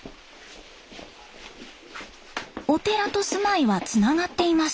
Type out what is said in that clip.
お寺と住まいはつながっています。